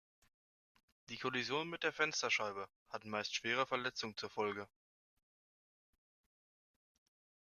Die Kollision mit der Fensterscheibe hat meist schwere Verletzungen zur Folge.